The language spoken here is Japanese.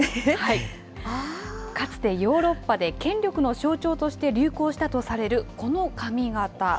かつてヨーロッパで権力の象徴として流行したとされるこの髪形。